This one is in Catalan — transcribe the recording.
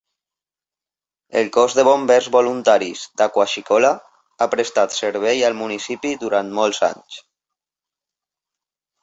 El Cos de Bombers Voluntaris d'Aquashicola ha prestat servei al municipi durant molts anys.